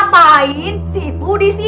bisa berubah juga